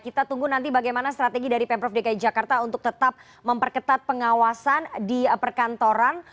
kita tunggu nanti bagaimana strategi dari pemprov dki jakarta untuk tetap memperketat pengawasan di perkantoran